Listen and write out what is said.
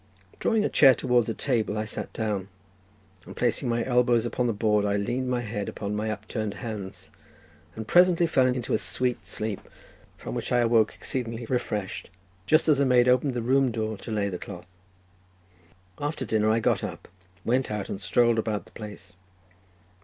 Drawing a chair towards a table, I sat down, and placing my elbows upon the board, I leaned my face upon my upturned hands, and presently fell into a sweet sleep, from which I awoke exceedingly refreshed, just as a maid opened the room door to lay the cloth. After dinner I got up, went out, and strolled about the place.